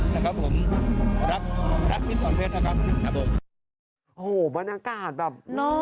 นะครับผมรักพี่สอนเพชรนะครับ